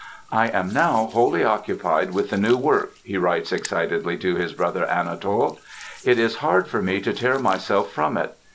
"I am now wholly occupied with the new work," he writes excitedly to his brother Anatol. "It is hard for me to tear myself from it.